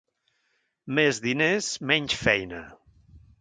Més diners, menys feina.